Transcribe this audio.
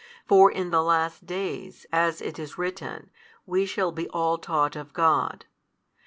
For in the last days, as it is written, we shall be all taught of God.